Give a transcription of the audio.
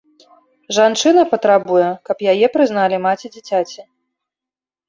Жанчына патрабуе, каб яе прызналі маці дзіцяці.